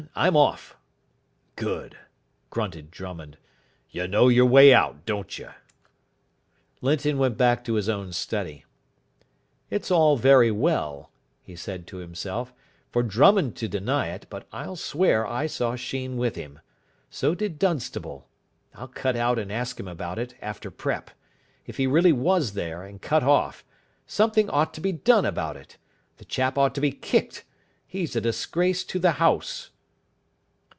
I'm off." "Good," grunted Drummond. "You know your way out, don't you?" Linton went back to his own study. "It's all very well," he said to himself, "for Drummond to deny it, but I'll swear I saw Sheen with him. So did Dunstable. I'll cut out and ask him about it after prep. If he really was there, and cut off, something ought to be done about it. The chap ought to be kicked. He's a disgrace to the house."